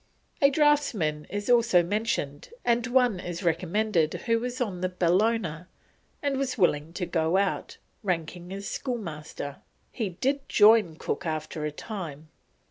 A draughtsman is also mentioned, and one is recommended who was on the Bellona and was willing to go out, ranking as schoolmaster; he did join Cook after a time.